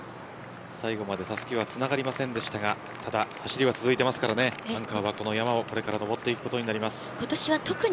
最後までたすきがつながりませんでしたがただ、走りを続いていますからアンカーはこの山をのぼっていきます。